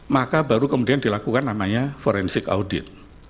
maka baru kemudian dilakukan namanya forensik audit